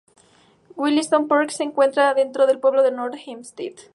Williston Park se encuentra dentro del pueblo de North Hempstead.